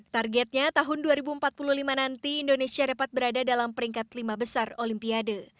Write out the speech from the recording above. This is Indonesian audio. targetnya tahun dua ribu empat puluh lima nanti indonesia dapat berada dalam peringkat lima besar olimpiade